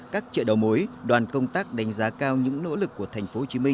các chợ đầu mối đoàn công tác đánh giá cao những nỗ lực của tp hcm